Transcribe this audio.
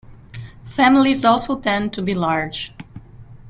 Families also tend to be large.